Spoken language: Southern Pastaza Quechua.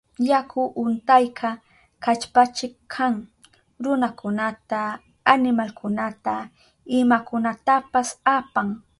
Yaku untayka kallpachik kan, runakunata, animalkunata, imakunatapas apan.